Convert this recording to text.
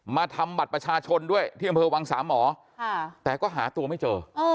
ทำบัตรประชาชนด้วยที่อำเภอวังสามหมอแต่ก็หาตัวไม่เจอ